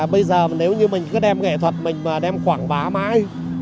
bây giờ nếu như mình cứ đem nghệ thuật mình mà đem quảng bá mãi